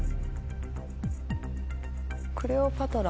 クレオパトラ。